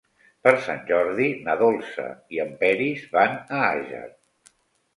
Per Sant Jordi na Dolça i en Peris van a Àger.